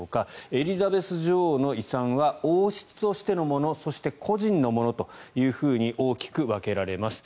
エリザベス女王の遺産は王室としてのものそして個人のものというふうに大きく分けられます。